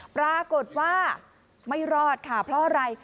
ปรากฏว่าไม่รอดค่ะเพราะอะไร